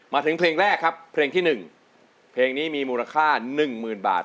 มาถึงเพลงแรกครับเพลงที่๑เพลงนี้มีมูลค่า๑๐๐๐บาท